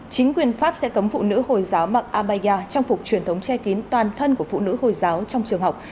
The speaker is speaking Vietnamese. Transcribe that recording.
chính quyền pháp sẽ cấm phụ nữ hồi giáo mặc abaya trang phục truyền thống che kín toàn thân của phụ nữ hồi giáo trong trường học